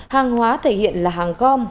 hàng hóa thể hiện là hàng gom